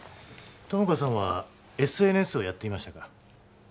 友果さんはＳＮＳをやっていましたか？